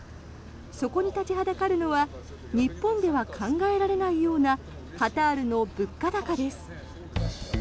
そこに立ちはだかるのは日本では考えられないようなカタールの物価高です。